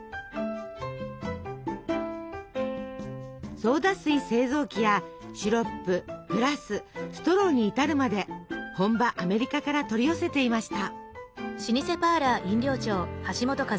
ソーダ水製造機やシロップグラスストローに至るまで本場アメリカから取り寄せていました。